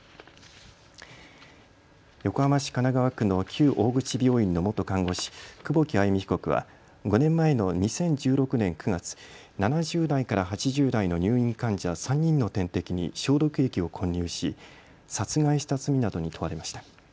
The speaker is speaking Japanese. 横浜市神奈川区の旧大口病院の元看護師、久保木愛弓被告は５年前の２０１６年９月、７０代から８０代の入院患者３人の点滴に消毒液を混入し殺害した罪などに問われました。